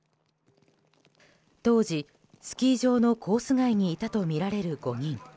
当時、スキー場のコース外にいたとみられる５人。